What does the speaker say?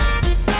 ya itu dia